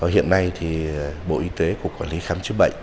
hiện nay thì bộ y tế cục quản lý khám chữa bệnh